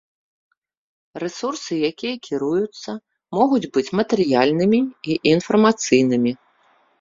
Рэсурсы, якія кіруюцца, могуць быць матэрыяльнымі і інфармацыйнымі.